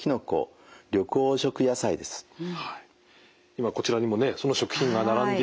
今こちらにもねその食品が並んでいます。